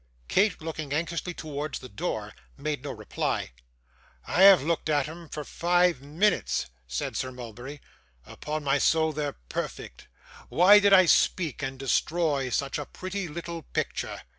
Kate, looking anxiously towards the door, made no reply. 'I have looked at 'em for five minutes,' said Sir Mulberry. 'Upon my soul, they're perfect. Why did I speak, and destroy such a pretty little picture?